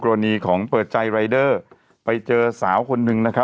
ค่ะผมไม่ได้พี่ห้ามแสดกต่อพระพุทธเจ้านะคะ